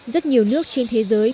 rất nhiều nước trên thế giới